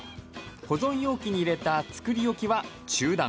保存容器に入れた作り置きは中段。